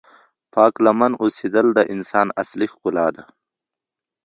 پاک لمن اوسېدل د انسان اصلی ښکلا ده.